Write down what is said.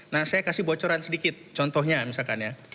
nah saya kasih bocoran sedikit contohnya misalkan ya